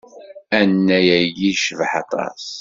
Annay-agi icbeḥ aṭas.